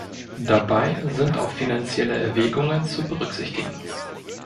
Dabei sind auch finanzielle Erwägungen zu berücksichtigen.